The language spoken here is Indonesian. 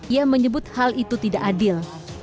ia menyebut hal itu tidak adil